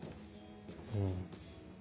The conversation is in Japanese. うん。